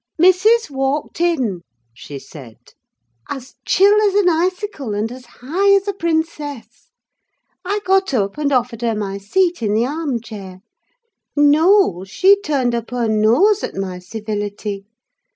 "Missis walked in," she said, "as chill as an icicle, and as high as a princess. I got up and offered her my seat in the arm chair. No, she turned up her nose at my civility.